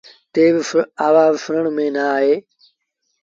تيز آوآز سُڻڻ ميݩ نا آئي۔